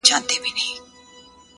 دغه انسان بېشرفي په شرافت کوي ـ